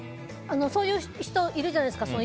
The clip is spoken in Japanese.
そういう人いるじゃないですか。